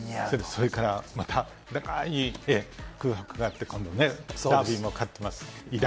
それからまた、長い空白があってね、今度、ダービーも勝ってます。